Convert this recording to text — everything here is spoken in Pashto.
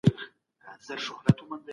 کور باید د جنت یوه ټوټه وي.